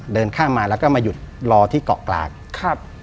เดินข้ามมาแล้วก็มาหยุดรอที่เกาะกลางครับ